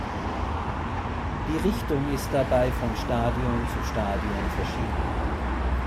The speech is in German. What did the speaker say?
Die Richtung ist dabei von Stadion zu Stadion verschieden.